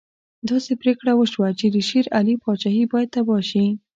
داسې پرېکړه وشوه چې د شېر علي پاچهي باید تباه شي.